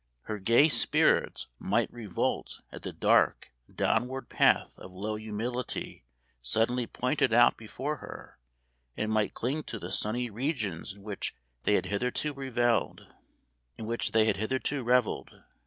Her gay spirits might revolt at the dark, downward path of low humility suddenly pointed out before her, and might cling to the sunny regions in which they had hitherto revelled.